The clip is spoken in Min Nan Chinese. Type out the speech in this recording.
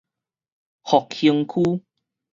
復興區